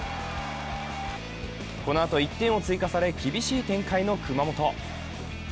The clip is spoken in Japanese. このあと１点を追加され、厳しい展開の熊本。